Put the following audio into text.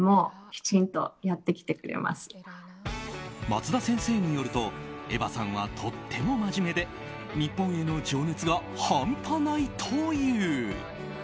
松田先生によるとエヴァさんはとっても真面目で日本への情熱が半端ないという。